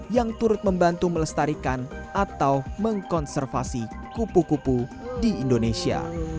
yang turut membantu melestarikan atau mengkonservasi kupu kupu di indonesia